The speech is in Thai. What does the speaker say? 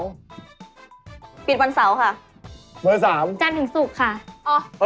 อยู่ติดกับตลาดสนามหน้าค่ะ